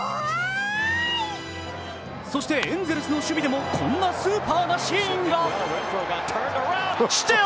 そしてエンゼルスの守備でも、こんなスーパーなシーンが。